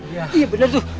iya bener tuh